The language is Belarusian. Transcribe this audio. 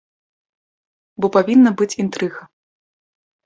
Бо павінна быць інтрыга.